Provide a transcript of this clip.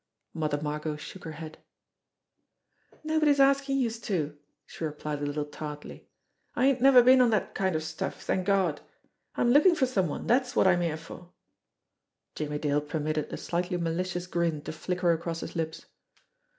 Mother Margot shook her head. "Nobody's askin' youse to," she replied a little tartly. "I ain't never been on dat kind of stuff, t'ank Gawd! I'm lookin' for some one, dat's wot I'm here for." Jimmie Dale permitted a slightly malicious grin to flicker across his lips.